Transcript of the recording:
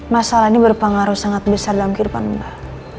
masalah ini berpengaruh sangat besar dalam kehidupan mbak